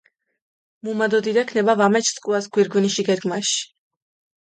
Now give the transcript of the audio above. მუმა დო დიდაქ ნება ვამეჩჷ სქუას გირგვინიში გედგჷმაში.